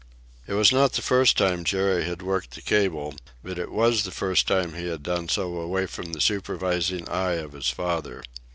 It was not the first time Jerry had worked the cable, but it was the first time he had done so away from the supervising eye of his father.